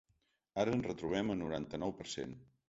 Ara ens retrobem a noranta-nou per cent.